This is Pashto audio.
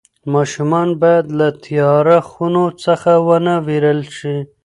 ماشومان باید له تیاره خونو څخه ونه وېرول شي.